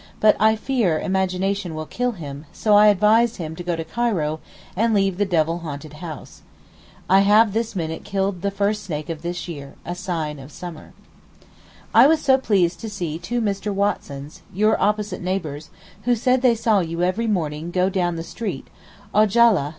but I fear imagination will kill him, so I advise him to go to Cairo, and leave the devil haunted house. I have this minute killed the first snake of this year—a sign of summer. I was so pleased to see two Mr. Watsons—your opposite neighbours—who said they saw you every morning go down the street—ojala!